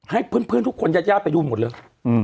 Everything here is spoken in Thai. ให้เพื่อนทุกคนญาติไปดูหมดเลย